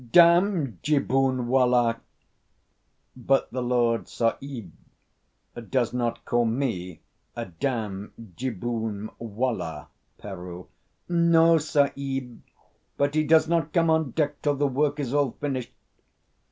Dam jibboonwallah!'" "But the Lord Sahib does not call me a dam jibboonwallah, Peroo." "No, Sahib; but he does not come on deck till the work is all finished.